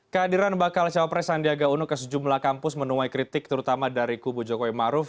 kehadiran bakal cawapres sandiaga uno ke sejumlah kampus menuai kritik terutama dari kubu jokowi maruf